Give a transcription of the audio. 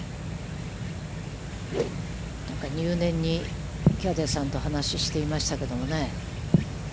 入念にキャディーさんと話をしていましたけどね。